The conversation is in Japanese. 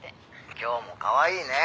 「今日もかわいいね」